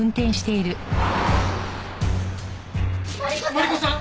マリコさん！